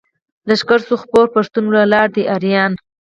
لښکر شو خپور پښتون ولاړ دی اریان.